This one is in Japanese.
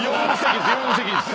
４席です。